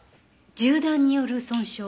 銃弾による損傷？